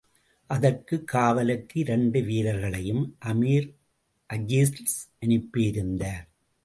அதற்குக் காவலுக்கு இரண்டு வீரர்களையும் அமீர் அஜீஸ் அனுப்பியிருந்தார்.